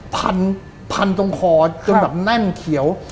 พันพันตรงคอจนแบบแน่นเขียว